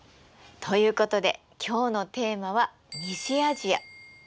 ということで今日のテーマは西アジア。